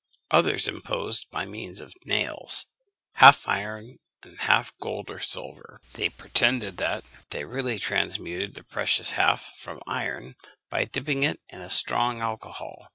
Others imposed by means of nails, half iron and half gold or silver. They pretended that they really transmuted the precious half from iron, by dipping it in a strong alcohol.